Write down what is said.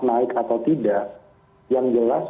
naik atau tidak yang jelas